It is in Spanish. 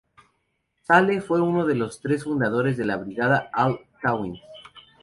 Saleh fue uno de los tres fundadores de la Brigada Al-Tawhid.